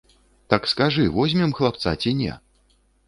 Так скажы, возьмем хлапца ці не?